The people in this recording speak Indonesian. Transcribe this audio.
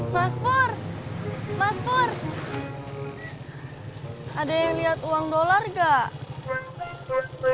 mas pur mas pur ada yang lihat uang dolar gak